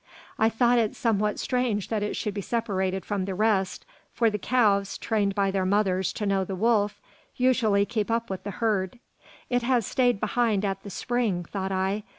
I thought it somewhat strange that it should be separated from the rest, for the calves, trained by their mothers to know the wolf, usually keep up with the herd. "It has stayed behind at the spring," thought I.